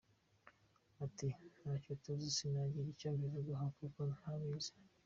Ati “Ntabyo tuzi, sinagira icyo mbivugaho kuko ntabizi.